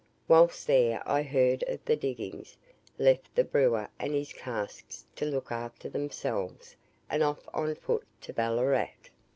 Whilst there I heard of the diggings left the brewer and his casks to look after themselves, and off on foot to Ballarat.